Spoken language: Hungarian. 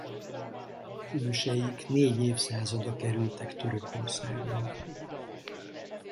Őseik négy évszázada kerültek Törökországba.